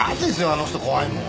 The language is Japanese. あの人怖いもん。